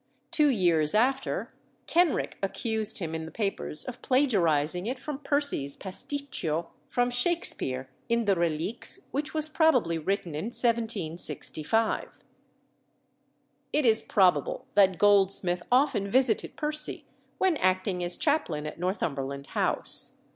Two years after, Kenrick accused him in the papers of plagiarising it from Percy's pasticcio from Shakspere in the Reliques, which was probably written in 1765. It is probable that Goldsmith often visited Percy, when acting as chaplain at Northumberland House.